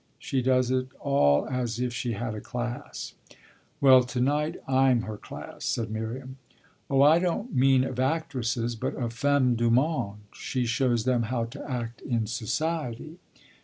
She does it all as if she had a class." "Well, to night I'm her class," said Miriam. "Oh I don't mean of actresses, but of femmes du monde. She shows them how to act in society."